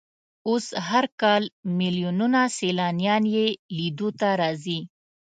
اوس هر کال ملیونونه سیلانیان یې لیدو ته راځي.